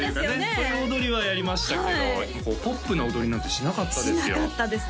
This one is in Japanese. そういう踊りはやりましたけどこうポップな踊りなんてしなかったですよか